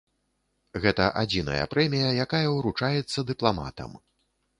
Гэта адзіная прэмія, якая ўручаецца дыпламатам.